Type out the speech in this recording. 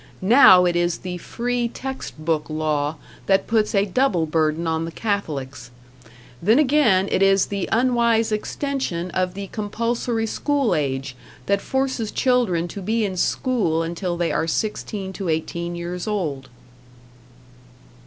Now it is the free text book law that puts a double burden on the Catholics. Then again it is the unwise extension of the compulsory school age that forces children to be in school until they are 16 to 18 years old.